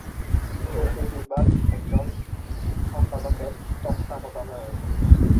প্রতি বিভাগ একজন সম্পাদকের তত্ত্বাবধানে রয়েছে।